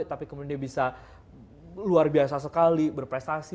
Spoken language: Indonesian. tapi kemudian dia bisa luar biasa sekali berprestasi